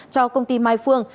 cho công ty mai phương